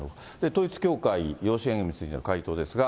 統一教会、養子縁組についての回答ですが。